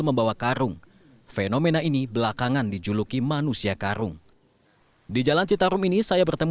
membawa karung fenomena ini belakangan dijuluki manusia karung di jalan citarum ini saya bertemu